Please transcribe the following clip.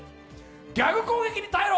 ギャグ攻撃に耐えろ！